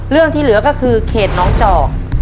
เรื่องที่เหลือก็คือเขตน้องจอก